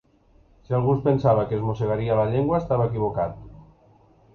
Si algú pensava que es mossegaria la llengua, estava equivocat.